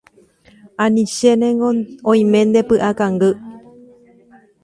Anichénengo oime ndepy'akangy.